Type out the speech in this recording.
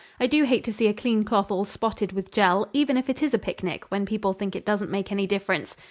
I do hate to see a clean cloth all spotted with jell, even if it is a picnic when people think it doesn't make any difference.